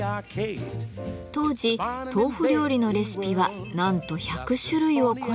当時豆腐料理のレシピはなんと１００種類を超えたとか。